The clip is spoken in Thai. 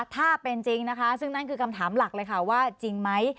ถ้าเป็นจริงนะคะซึ่งนั่นคือคำถามหลักเลยค่ะว่าจริงไหม